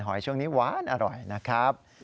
หอยช่วงนี้หวานอร่อยนะครับ